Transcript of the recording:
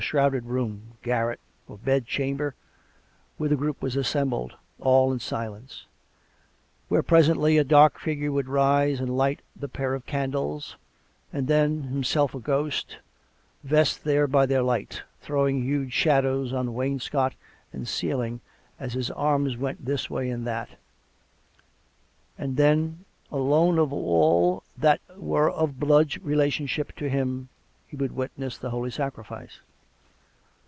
53 shrouded room, garret or bed chamber, where the group was assembled, all in silence ; where presently a dark figure would rise and light the pair of candles, and then, himself a ghost, vest there by their light, throwing huge shadows on wainscot and ceiling as his arms went this way and that; and then, alone of all that were of blood relationship to him, he would witness the Holy Sacrifice.